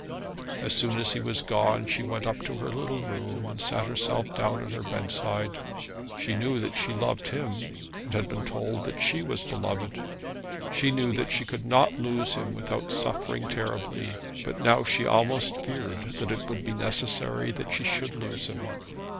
As soon as he was gone she went up to her little room, and sat herself down on her bedside. She knew that she loved him, and had been told that she was beloved. She knew that she could not lose him without suffering terribly; but now she almost feared that it would be necessary that she should lose him.